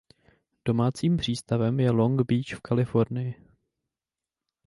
Domácím přístavem je Long Beach v Kalifornii.